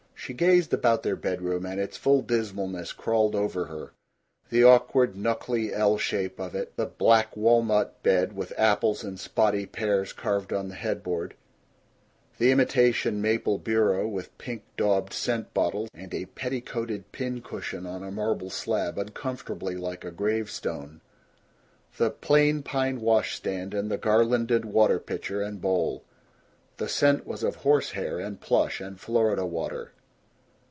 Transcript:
She gazed about their bedroom, and its full dismalness crawled over her: the awkward knuckly L shape of it; the black walnut bed with apples and spotty pears carved on the headboard; the imitation maple bureau, with pink daubed scent bottles and a petticoated pin cushion on a marble slab uncomfortably like a gravestone; the plain pine washstand and the garlanded water pitcher and bowl. The scent was of horsehair and plush and Florida Water.